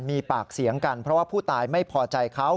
มีปากเสียงกันเพราะว่าผู้ตายไม่พอใจเขา